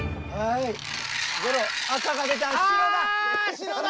白だ！